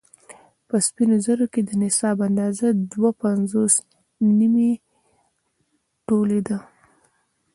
په سپينو زرو کې د نصاب اندازه دوه پنځوس نيمې تولې ده